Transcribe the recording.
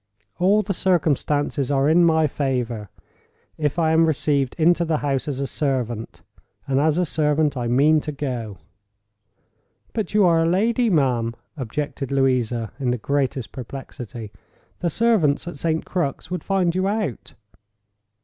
All the circumstances are in my favor, if I am received into the house as a servant; and as a servant I mean to go." "But you are a lady, ma'am," objected Louisa, in the greatest perplexity. "The servants at St. Crux would find you out."